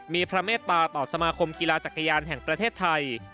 มีพระเมตตาต่อสมาคมกีฬาจักรยานแห่งประเทศไทย